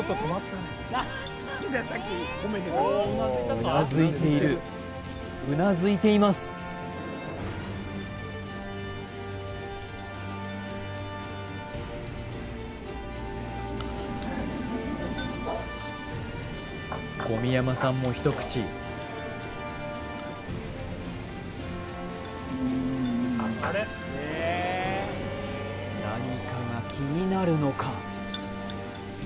うなずいているうなずいています込山さんも一口何かが気になるのか？